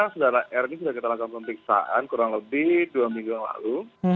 sudah kita lakukan pemeriksaan kurang lebih dua minggu lalu